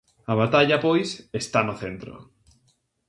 A batalla, pois, está no centro.